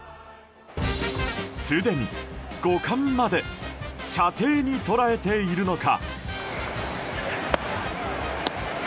すでに５冠まで射程に捉えてるのか。